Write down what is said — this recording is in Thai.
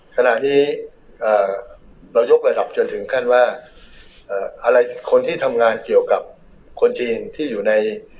ขณะนี้เรายกระดับจนถึงขั้นว่าอะไรคนที่ทำงานเกี่ยวกับคนจีนที่อยู่ใน